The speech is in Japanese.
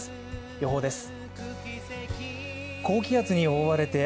予報です。